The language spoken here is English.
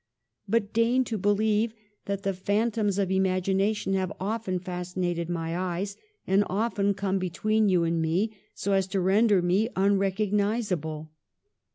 But deign to believe that the phantoms of imagination have often fascinated my eyes, and often come between you and me so as to render me unrecognizable.